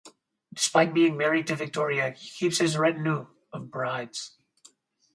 Despite being married to Victoria he keeps his retinue of Brides.